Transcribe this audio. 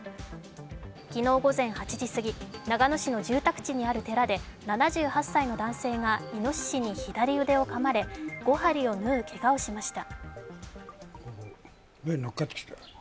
昨日午前８時すぎ、長野市の住宅地にある寺で７８歳の男性がイノシシに左腕をかまれ５針を縫うけがをしました。